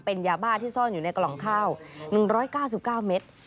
เป็นยาบ้าที่ซ่อนอยู่ในกล่องข้าว๑๙๙เมตร